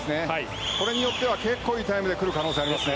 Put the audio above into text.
これによってはいいタイムでくる可能性がありますね。